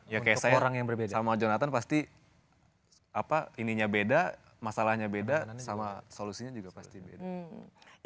ya kayak saya sama jonathan pasti apa ininya beda masalahnya beda sama solusinya juga pasti beda